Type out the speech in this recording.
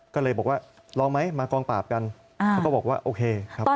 ก็เลยบอกว่าลองไหมมากองปราบกันเขาก็บอกว่าโอเคครับ